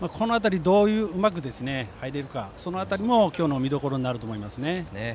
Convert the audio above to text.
うまく入れるか、その辺りも今日の見どころになると思います。